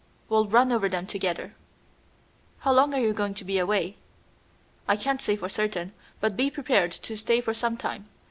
We'll run over them together." "How long are you going to be away?" "I can't say for certain, but be prepared to stay for some time.